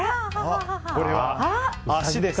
これは「足」です。